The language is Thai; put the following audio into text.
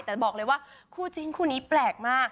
แต่บอกเลยว่าคู่จิ้นคู่นี้แปลกมาก